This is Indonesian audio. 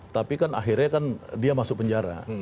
tapi kan akhirnya kan dia masuk penjara